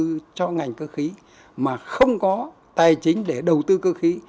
đầu tư cho ngành cơ khí mà không có tài chính để đầu tư cơ khí